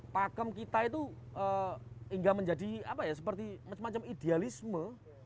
pakem kita itu hingga menjadi seperti macam idealisme